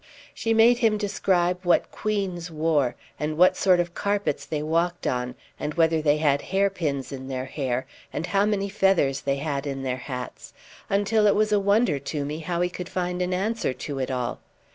She made him describe what queens wore, and what sort of carpets they walked on, and whether they had hairpins in their hair, and how many feathers they had in their hats, until it was a wonder to me how he could find an answer to it all.